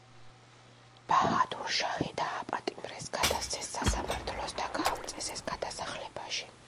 ბაჰადურ შაჰი დააპატიმრეს, გადასცეს სასამართლოს და გაამწესეს გადასახლებაში.